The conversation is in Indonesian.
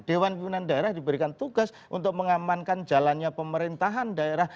dewan pimpinan daerah diberikan tugas untuk mengamankan jalannya pemerintahan daerah